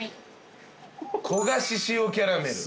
焦がし塩キャラメル。